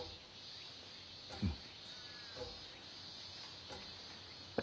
うん。